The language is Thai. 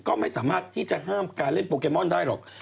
ก็ไม่สามารถที่จะห้ามการเล่นโปเกมอนได้หรอก